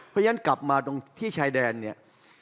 เพราะฉะนั้นกลับมาตรงที่ชายแดนเนี่ย